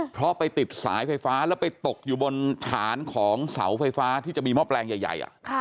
เพราะไปติดสายไฟฟ้าแล้วไปตกอยู่บนฐานของเสาไฟฟ้าที่จะมีหม้อแปลงใหญ่